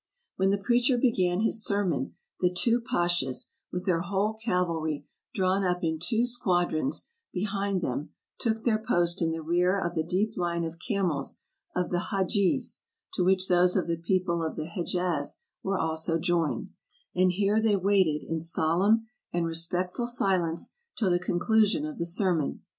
When the preacher began his sermon, the two pashas, with their whole cavalry drawn up in two squadrons behind them, took their post in the rear of the deep line of camels of the hadjis, to which those of the people of the Hedjaz were also joined ; and here they waited in solemn and re spectful silence till the conclusion of the sermon.